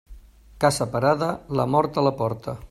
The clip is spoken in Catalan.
Casa parada, la mort a la porta.